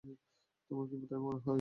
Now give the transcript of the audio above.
তোমার কি তাই মনে হয়?